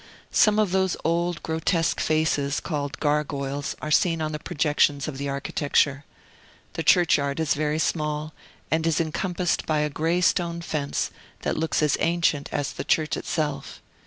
Some of those old, grotesque faces, called gargoyles, are seen on the projections of the architecture. The churchyard is very small, and is encompassed by a gray stone fence that looks as ancient as the church itself.